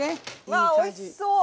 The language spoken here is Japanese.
わあおいしそう！